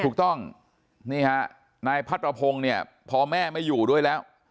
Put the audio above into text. ถูกต้องนี่ฮะนายพัดประพงศ์เนี่ยพอแม่ไม่อยู่ด้วยแล้ว